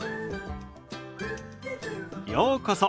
ようこそ。